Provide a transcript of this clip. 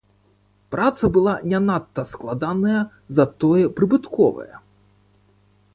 Праца была не надта складаная, затое прыбытковая.